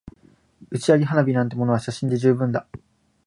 打ち上げ花火なんてものは写真で十分だ